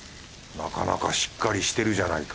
なかなかしっかりしてるじゃないか